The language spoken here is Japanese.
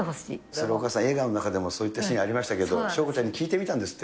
それお母さん、映画の中でも、そういったシーンありましたけど、翔子ちゃんに聞いてみたんですっ